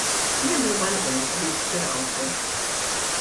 Liem huma l-bands li jispirawkom?